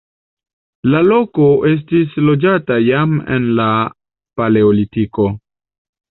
La loko estis loĝata jam en la paleolitiko.